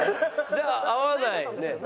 じゃあ合わないよね。